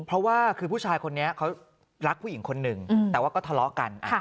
เพราะว่าคือผู้ชายคนนี้เขารักผู้หญิงคนหนึ่งแต่ว่าก็ทะเลาะกัน